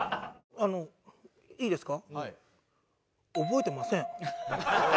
あのいいですか？